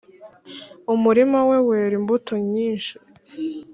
Umurima we wera imbuto nyinshi